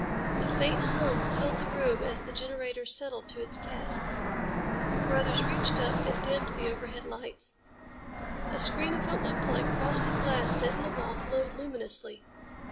A faint hum filled the room as the generator settled to its task. Carruthers reached up and dimmed the overhead lights. A screen of what looked like frosted glass set in the wall glowed luminously.